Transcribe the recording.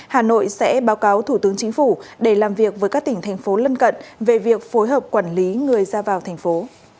hà nội sẽ báo cáo thủ tướng chính phủ để làm việc với các tỉnh thành phố lân cận về việc phối hợp quản lý người ra vào thành phố